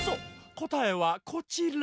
こたえはこちら。